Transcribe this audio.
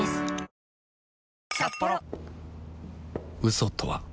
嘘とは